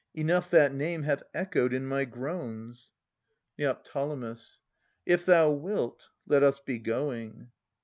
Enough that name hath echoed in my groans. Neo. If thou wilt, let us be going.